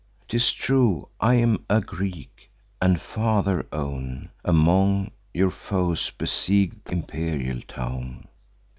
'Tis true, I am a Greek, and farther own, Among your foes besieg'd th' imperial town.